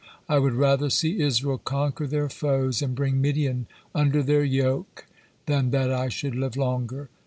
I would rather see Israel conquer their foes and bring Midian under their yoke than that I should live longer."